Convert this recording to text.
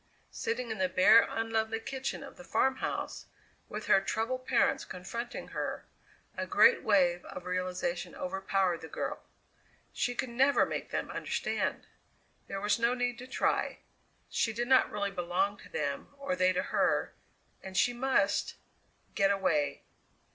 Sitting in the bare, unlovely kitchen of the farmhouse, with her troubled parents confronting her, a great wave of realization overpowered the girl. She could never make them understand! There was no need to try. She did not really belong to them, or they to her, and she must get away!